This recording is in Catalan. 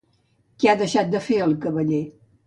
Què ha deixat de fer el cavaller?